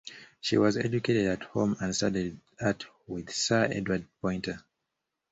She was educated at home and studied art with Sir Edward Poynter.